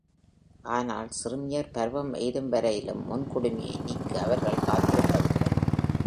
ஆனால் சிறுமியர் பருவம் எய்தும் வரையிலும் முன் குடுமியை நீக்க அவர்கள் காத்திருப்பதில்லை.